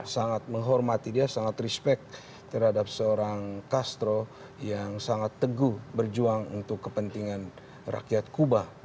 sangat menghormati dia sangat respect terhadap seorang castro yang sangat teguh berjuang untuk kepentingan rakyat kuba